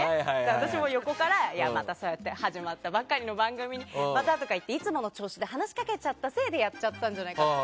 私も横からまた、そうやって始まったばかりの番組にまた！とかいつもの調子で話しかけちゃったせいでやっちゃったんじゃないかと。